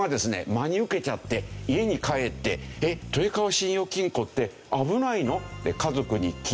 真に受けちゃって家に帰って「えっ豊川信用金庫って危ないの？」って家族に聞いた。